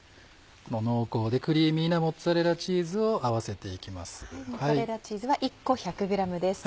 濃厚でクリーミーなモッツァレラチーズを合わせて行きます。